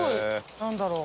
何だろう？